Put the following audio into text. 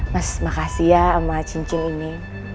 mas makasih ya sama cincin ini